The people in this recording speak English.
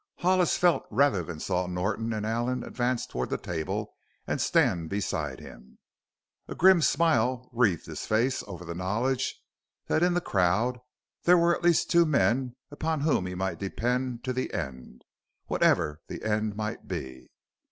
Hollis felt rather than saw Norton and Allen advance toward the table and stand beside him. A grim smile wreathed his face over the knowledge that in the crowd there were at least two men upon whom he might depend to the end whatever the end might be.